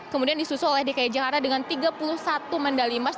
kemudian disusul oleh dki jakarta dengan tiga puluh satu medali emas